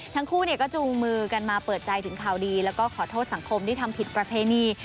ทั้งคู่ก็จูงมือกันมาเปิดใจถึงข่าวดีแล้วก็ขอโทษสังคมที่ทำผิดประเพณี